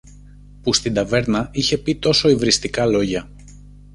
που στην ταβέρνα είχε πει τόσο υβριστικά λόγια